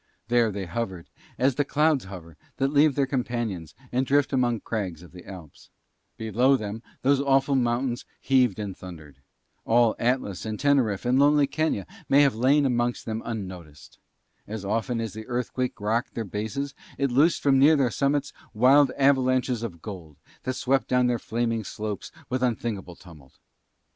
There they hovered as the clouds hover that leave their companions and drift among crags of the Alps: below them those awful mountains heaved and thundered. All Atlas, and Teneriffe, and lonely Kenia might have lain amongst them unnoticed. As often as the earthquake rocked their bases it loosened from near their summits wild avalanches of gold that swept down their flaming slopes with unthinkable tumult.